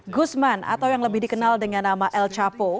guzman atau yang lebih dikenal dengan nama el chapo